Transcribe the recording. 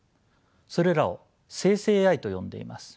それらを生成ＡＩと呼んでいます。